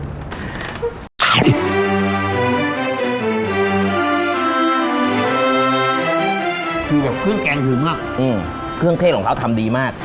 คือแบบเครื่องแกงคือมากเครื่องเทศของเขาทำดีมาก